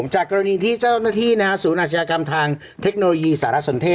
จากกรณีที่เจ้าหน้าที่ศูนย์อาชญากรรมทางเทคโนโลยีสารสนเทศ